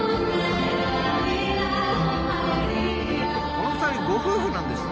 この２人ご夫婦なんですってね。